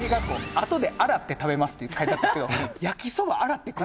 あとで洗って食べますって書いてあったんですよ